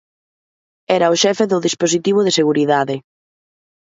Era o xefe do dispositivo de seguridade.